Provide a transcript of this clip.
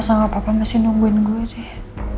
sanggup apa apa masih nungguin gue deh